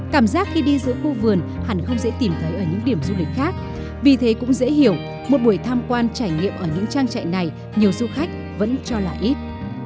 cảm giác khi đi giữa khu vườn hẳn không dễ tìm thấy ở những điểm du lịch khác vì thế cũng dễ hiểu một buổi tham quan trải nghiệm ở những trang trại này nhiều du khách vẫn cho là ít